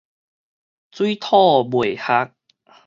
水土袂合